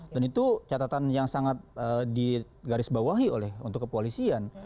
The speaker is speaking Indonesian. dan itu catatan yang sangat digarisbawahi oleh untuk kepolisian